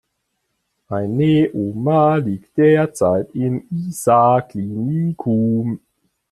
Meine Oma liegt derzeit im Isar Klinikum.